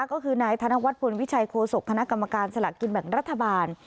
ก็คือนายธนวัฒนพลวิชัยโฆษกคณะกรรมการสละกินแบ่งรัฐบาล